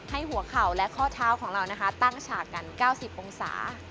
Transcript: หัวเข่าและข้อเท้าของเราตั้งฉากกัน๙๐องศา